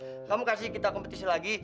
gini aja ra kamu kasih kita kompetisi lagi